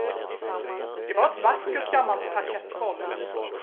Det var ett vackert gammalt parkettgolv.